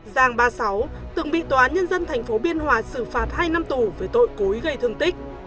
giang ba mươi sáu từng bị tòa án nhân dân tp biên hòa xử phạt hai năm tù về tội cố ý gây thương tích